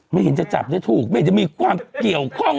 ไม่เห็นจะจับได้ถูกไม่เห็นจะมีความเกี่ยวข้อง